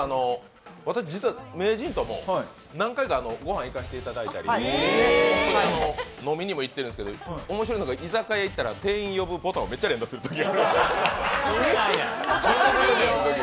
私、実は名人と何回か御飯行かせていただいたり、飲みにも行っているんですけど、面白いことに、居酒屋に行ったら店員呼ぶボタンをめっちゃ連打するときある。